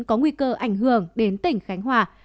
có nguy cơ ảnh hưởng đến tỉnh khánh hòa